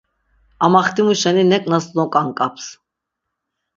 Amaxtimu şeni nek̆nas nok̆ank̆aps.